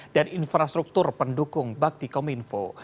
dan infrastruktur pendukung bakti kominfo